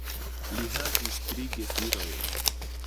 Li havis tri gefilojn.